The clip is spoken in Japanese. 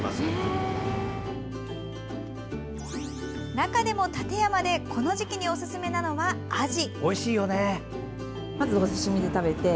中でも、館山でこの時期におすすめなのは、あじ。